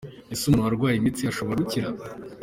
Ese umuntu warwaye imitsi ashobora gukira?.